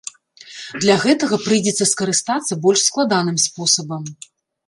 Для гэтага прыйдзецца скарыстацца больш складаным спосабам.